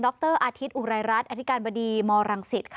รอาทิตย์อุไรรัฐอธิการบดีมรังสิตค่ะ